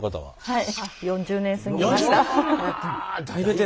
はい。